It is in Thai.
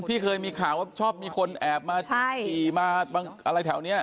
ที่เคยมีข่าวว่าชอบมีคนแอบมาขี่มาอะไรแถวนี้